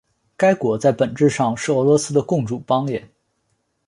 该国在本质上是俄国的共主邦联。